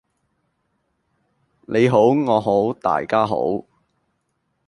你好我好大家好